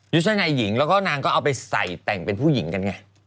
ชุดชั้นในหญิงแล้วก็นางก็เอาไปใส่แต่งเป็นผู้หญิงกันไง